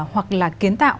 hoặc là kiến tạo